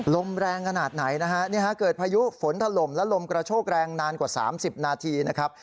ลมแรงขนาดไหนนะฮะเกิดพายุฝนถล่มและลมกระโชกแรงนานกว่า๓๐นาทีนะครับ